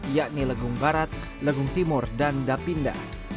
yakni legung barat legung timur dan dapinda